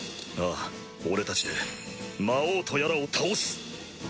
ああ俺たちで魔王とやらを倒す。